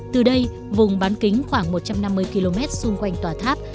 từ đây vùng bán kính khoảng một trăm năm mươi km xung quanh tòa tháp